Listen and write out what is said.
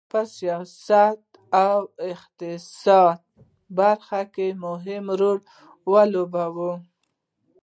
په سیاسي او اقتصادي برخو کې مهم رول ولوبوي.